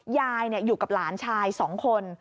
ยายอยู่กับหลานชาย๒คน